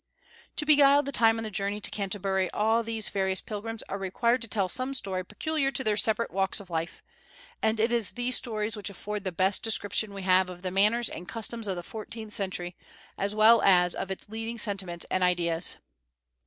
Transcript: To beguile the time on the journey to Canterbury, all these various pilgrims are required to tell some story peculiar to their separate walks of life; and it is these stories which afford the best description we have of the manners and customs of the fourteenth century, as well as of its leading sentiments and ideas.